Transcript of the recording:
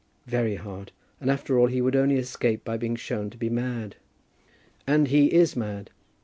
"Very hard. And after all he would only escape by being shown to be mad." "And he is mad."